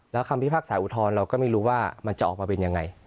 แล้วคำพิพากษาอุทธรณ์เราก็ไม่รู้ว่ามันจะออกมาเป็นยังไง